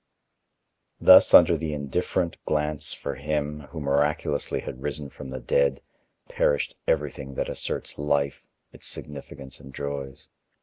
Thus under the indifferent glance for him, who miraculously had risen from the dead, perished everything that asserts life, its significance and joys.